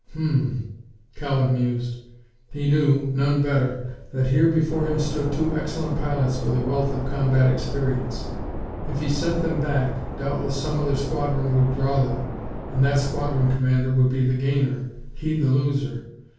"Hum m!" Cowan mused. He knew, none better, that here before him stood two excellent pilots with a wealth of combat experience. If he sent them back, doubtless some other squadron would draw them, and that squadron commander would be the gainer, he the loser.